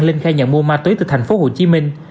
linh khai nhận mua ma túy từ thành phố hồ chí minh